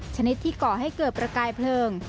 ชนิดที่ก่อให้เกิดประกายเพลิง